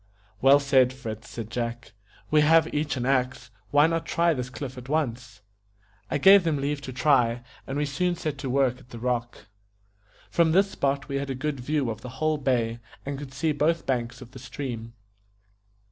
"Well said, Fritz," said Jack; "we have each an axe. Why not try this cliff at once?" I gave them leave to try, and we soon set to work at the rock. From this spot we had a good view of the whole bay, and could see both banks of the stream.